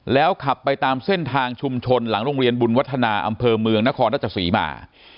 แล้วขับไปตามเส้นทางชุมชนหลังโรงเรียนบุญวัฒนาอำเภอเมืองนครราชศรีมา